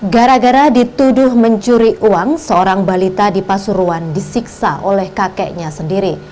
gara gara dituduh mencuri uang seorang balita di pasuruan disiksa oleh kakeknya sendiri